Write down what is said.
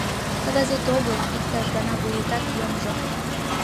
Кагазет огыл, иктаж гана вуетат йомжо!..